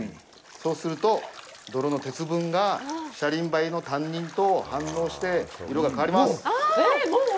そうすると、泥の鉄分がシャリンバイのタンニンと反応して色が変わります。